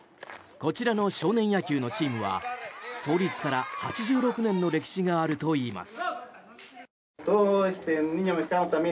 こちらの少年野球のチームは創立から８６年の歴史があるといいます。